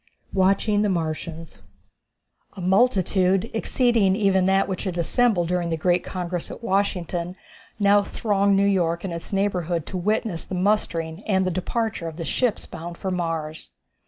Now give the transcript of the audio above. Watching the Martians. A multitude, exceeding even that which had assembled during the great congress at Washington, now thronged New York and its neighborhood to witness the mustering and the departure of the ships bound for Mars.